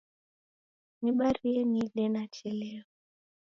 Nibarie niide nachelewa.